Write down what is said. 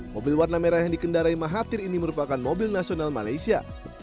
mobil warna merah yang dikendarai mahathir ini merupakan mobil nasional malaysia